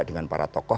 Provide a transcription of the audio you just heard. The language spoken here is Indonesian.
dengan para tokoh